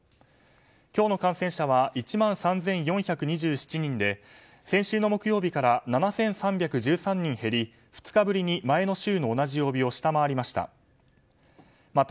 今日の感染者は１万３４２７人で先週の木曜日から７３１３人減り２日ぶりに前の週の同じ曜日を下回りました。